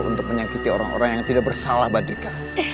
untuk menyakiti orang orang yang tidak bersalah batika